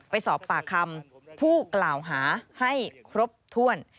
ไปสอบปากคำผู้กล่าวหาให้ครบถ้วน